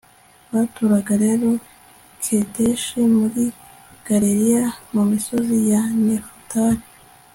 batoranya rero kedeshi muri galileya, mu misozi ya nefutali